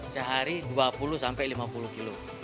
sehari dua puluh sampai lima puluh kilo